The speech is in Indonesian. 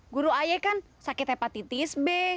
guru ay kan sakit hepatitis b